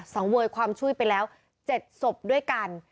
สังเวยความช่วยไปแล้ว๗ศพด้วยกัน